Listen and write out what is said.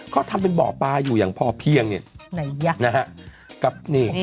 เขาทำเป็นบ่อปลาอยู่อย่างพอเพียงเนี่ยนะฮะ